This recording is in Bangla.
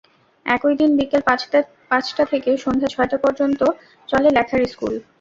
একই দিন বিকেল পাঁচটা থেকে সন্ধ্যা ছয়টা পর্যন্ত চলে লেখার ইশকুল।